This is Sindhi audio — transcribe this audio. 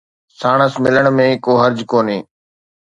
ساڻس ملڻ ۾ ڪو حرج ڪونهي